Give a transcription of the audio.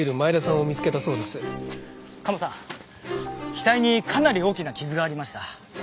額にかなり大きな傷がありました。